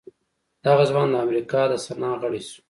دغه ځوان د امريکا د سنا غړی شو.